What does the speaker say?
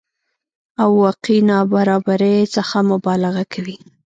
او واقعي نابرابرۍ څخه مبالغه کوي